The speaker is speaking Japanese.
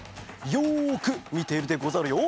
よくみてるでござるよ。